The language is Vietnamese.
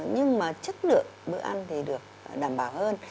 nhưng mà chất lượng bữa ăn thì được đảm bảo hơn